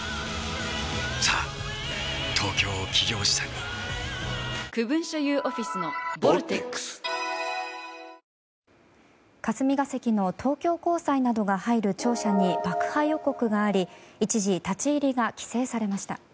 霞が関の東京高裁などが入る庁舎に爆破予告があり、一時立ち入りが規制されました。